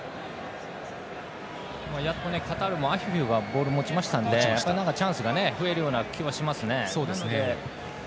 やっとカタールもアフィフがボールを持ったのでチャンスが増えるような気はしますね。